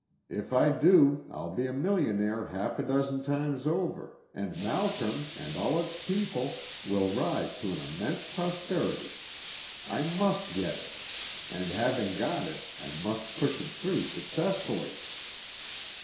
If I do I'll be a millionaire half a dozen times over, and Malkern, and all its people, will rise to an immense prosperity. I must get it! And having got it, I must push it through successfully."